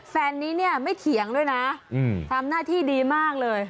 แฟนนี้เนี่ยไม่เถียงด้วยนะทำหน้าที่ดีมากเลย